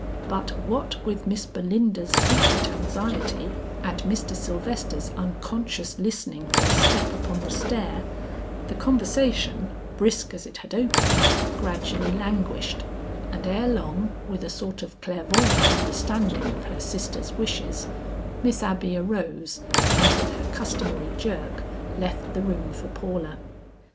But what with Miss Belinda's secret anxiety and Mr. Sylvester's unconscious listening for a step upon the stair, the conversation, brisk as it had opened, gradually languished, and ere long with a sort of clairvoyant understanding of her sister's wishes, Miss Abby arose and with her customary jerk left the room for Paula.